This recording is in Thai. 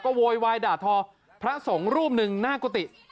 โวยวายด่าทอพระสงฆ์รูปหนึ่งหน้ากุฏิ